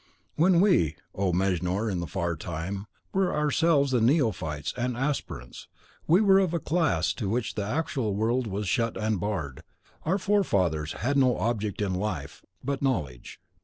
When we, O Mejnour in the far time, were ourselves the neophytes and aspirants, we were of a class to which the actual world was shut and barred. Our forefathers had no object in life but knowledge.